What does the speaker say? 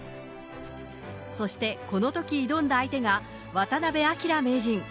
そしてこのとき挑んだ相手が、渡辺明名人。